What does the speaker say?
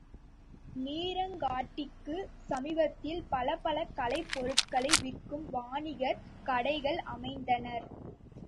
நீரங்காடிக்குச் சமீபத்தில் பலபல கலைப் பொருள்களை விற்கும் வாணிகர் கடைகள் அமைத்தனர்.